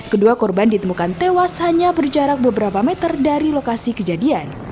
kedua korban ditemukan tewas hanya berjarak beberapa meter dari lokasi kejadian